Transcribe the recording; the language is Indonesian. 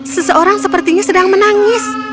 seseorang sepertinya sedang menangis